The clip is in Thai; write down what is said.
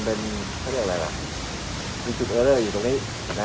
เป็นเขาเรียกอะไรล่ะมีจุดออเดอร์อยู่ตรงนี้นะ